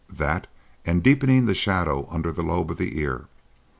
That, and deepening the shadow under the lobe of the ear.